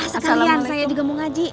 sekalian saya juga mau ngaji